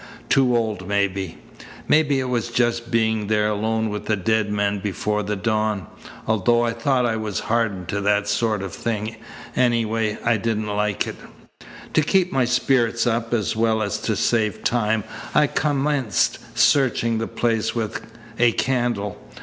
Too old, maybe. Maybe it was just being there alone with the dead man before the dawn, although I thought I was hardened to that sort of thing. Anyway, I didn't like it. To keep my spirits up, as well as to save time, I commenced searching the place with a candle.